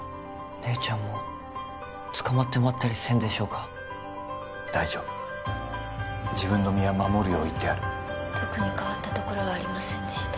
姉ちゃんも捕まってまったりせんでしょうか大丈夫自分の身は守るよう言ってある特に変わったところはありませんでした